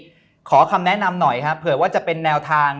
ปลอดภัยมากกว่านี้ขอคำแนะนำหน่อยครับเผื่อว่าจะเป็นแนวทาง